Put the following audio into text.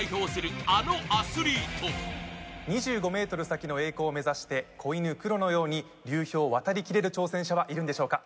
２５ｍ先の栄光を目指して子犬、クロのように流氷を渡りきれる挑戦者はいるんでしょうか。